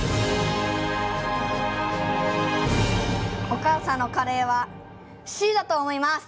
お母さんのカレーはＣだと思います。